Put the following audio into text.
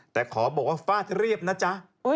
แต่ขอบอกว่าฟาดเรียบนะจ๊ะ